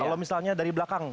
kalau misalnya dari belakang